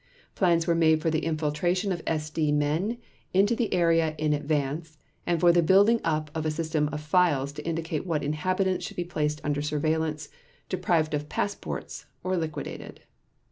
Plans were made for the infiltration of SD men into the area in advance, and for the building up of a system of files to indicate what inhabitants should be placed under surveillance, deprived of passports, or liquidated.